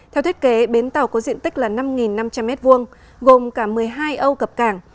theo thiết kế bến tàu có diện tích là năm năm trăm linh m hai gồm cả một mươi hai âu cập cảng